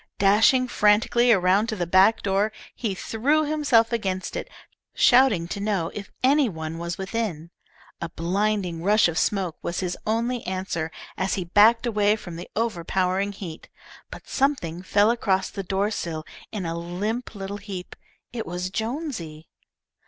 Dashing frantically around to the back door, he threw himself against it, shouting to know if any one was within. A blinding rush of smoke was his only answer as he backed away from the overpowering heat, but something fell across the door sill in a limp little heap. It was Jonesy.